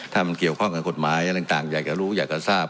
ถ้ามันเกี่ยวข้องกับกฎหมายอะไรต่างอยากจะรู้อยากจะทราบ